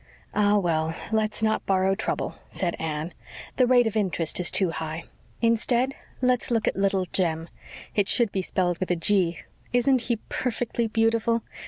"Ah, well, let's not borrow trouble," said Anne. "The rate of interest is too high. Instead, let's look at Little Jem. It should be spelled with a G. Isn't he perfectly beautiful?